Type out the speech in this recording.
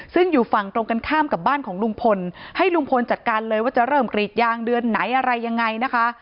ซึ่งอยู่ฝั่งตรงกันข้ามกับบ้านของลุงพลให้ลุงพลจัดการเลยว่าจะเริ่มกรีดยางเดือนไหนอะไรยังไงนะคะ